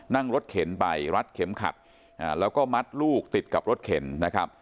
นั่งรถเข็นไปรัดเข็มขัดแล้วก็มัดลูกติดกับรถเข็นนะครับ